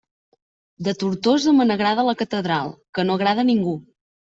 De Tortosa me n'agrada la catedral, que no agrada a ningú!